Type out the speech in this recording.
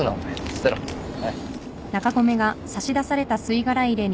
捨てろはい。